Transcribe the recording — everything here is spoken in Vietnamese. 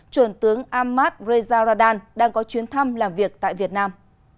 chuẩn tướng ahmad reza radan đang có chuyến thăm làm việc tại việt nam